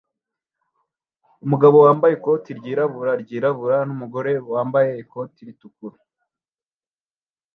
Umugabo wambaye ikoti ryirabura ryirabura numugore wambaye ikote ritukura